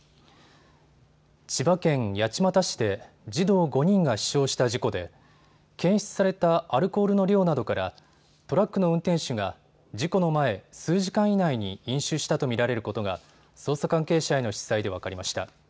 千葉県八街市で児童５人が死傷した事故で検出されたアルコールの量などからトラックの運転手が事故の前、数時間以内に飲酒したと見られることが捜査関係者への取材で分かりました。